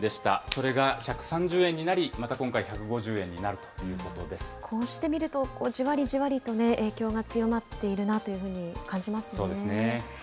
それが１３０円になり、また今回、こうしてみると、じわりじわりとね、影響が強まっているなというふうに感じますよね。